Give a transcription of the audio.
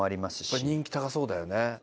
これ人気高そうだよね。